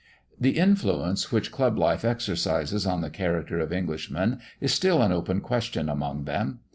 The influence which club life exercises on the character of Englishmen is still an open question among them.